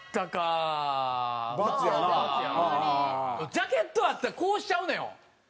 ジャケットあったらこうしちゃうのよ。